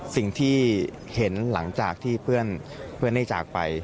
สิ่งที่เห็นหลังจากที่เพื่อนได้จากไป